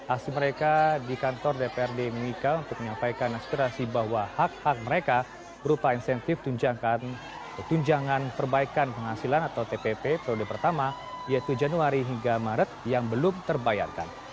aksi mereka di kantor dprd mimika untuk menyampaikan aspirasi bahwa hak hak mereka berupa insentif tunjangan perbaikan penghasilan atau tpp periode pertama yaitu januari hingga maret yang belum terbayarkan